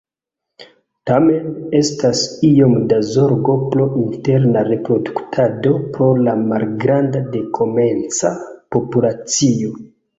Tamen, estas iom da zorgo pro interna reproduktado pro la malgranda dekomenca populacio.